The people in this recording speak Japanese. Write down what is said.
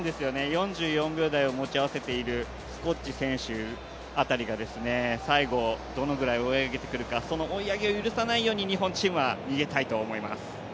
４４秒台を持ち合わせているスコッチ選手あたりが最後、どのぐらい追い上げてくるかその追い上げを許さないように日本チームは逃げたいと思います。